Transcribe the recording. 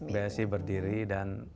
bsi berdiri dan